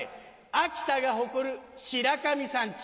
秋田が誇る白神山地。